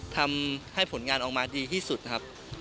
ทำให้ผลงานออกมาดีที่สุดครับ